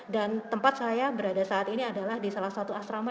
dan tempat saya berada saat ini adalah di salah satu asrama